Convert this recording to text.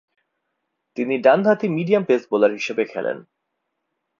তিনি ডানহাতি medium pace bowler হিসাবে খেলেন।